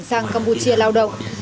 sang campuchia lao động